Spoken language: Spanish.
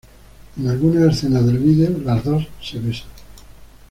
En algunas escenas del vídeo las dos se besan.